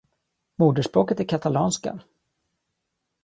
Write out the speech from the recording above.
Moderspråket är katalanska.